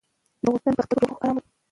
دوطن پرمختګ روح آراموي